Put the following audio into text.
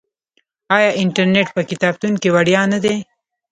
آیا انټرنیټ په کتابتون کې وړیا نه دی؟